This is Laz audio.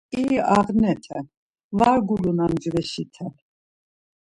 İr ağnete, var gulunan mcveşite.